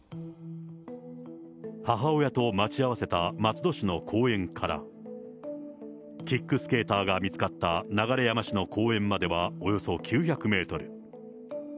母親と待ち合わせた松戸市の公園から、キックスケーターが見つかった流山市の公園まではおよそ９００メートル。